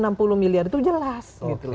dari miliar itu jelas